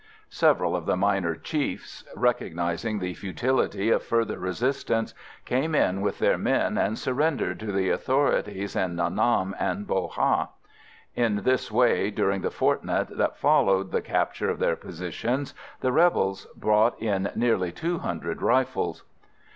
Several of the minor chiefs, recognising the futility of further resistance, came in with their men and surrendered to the authorities in Nha Nam and Bo Ha; in this way, during the fortnight that followed the capture of their positions, the rebels brought in nearly two hundred rifles.